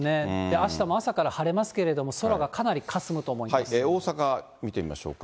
あしたも朝から晴れますけれども、大阪見てみましょうか。